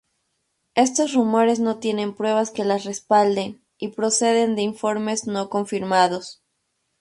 Estos rumores no tienen pruebas que las respalden, y proceden de informes no confirmados.